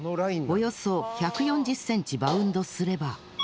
およそ１４０ｃｍバウンドすれば。